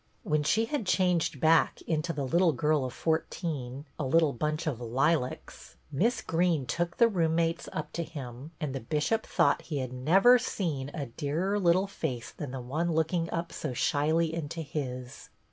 THE PLAY 147 When she had changed back into the little girl of fourteen, a " little bunch of lilacs," Miss Greene took the roommates up to him, and the Bishop thought he had never seen a dearer little face than the one looking up so shyly into his.